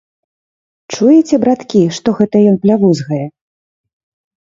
Чуеце, браткі, што гэта ён плявузгае?